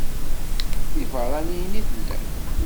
D ibeṛṛaniyen i tellam?